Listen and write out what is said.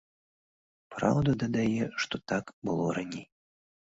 Праўда, дадае, што так было раней.